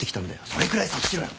それくらい察しろよ！